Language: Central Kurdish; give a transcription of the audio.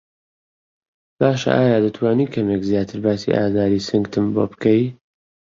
باشه ئایا دەتوانی کەمێک زیاتر باسی ئازاری سنگتم بۆ بکەی؟